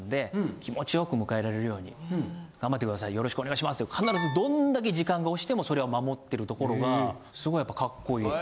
よろしくお願いしますって必ずどんだけ時間が押してもそれを守ってるところがすごいやっぱかっこいい。